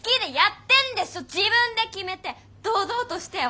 自分で決めて堂々としてよ